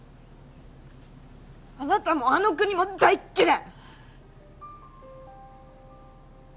あなたもあの国も大嫌い！